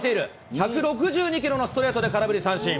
１６２キロのストレートで空振り三振。